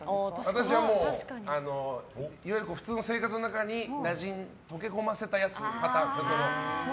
私はいわゆる普通の生活の中に溶け込ませたやつパターンです。